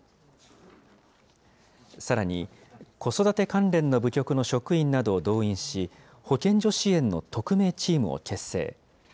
さらに、子育て関連の部局の職員などを動員し、保健所支援の特命チームを結成。